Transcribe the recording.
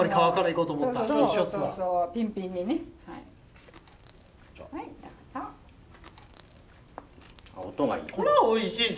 これはおいしいっすよ。